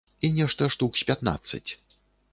І нешта штук з пятнаццаць.